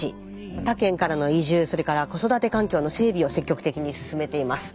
他県からの移住それから子育て環境の整備を積極的に進めています。